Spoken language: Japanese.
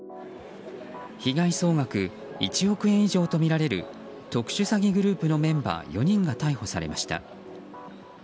被害総額１億円以上とみられる特殊詐欺グループメンバー４人が逮捕されました。